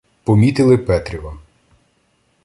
Помітили Петріва.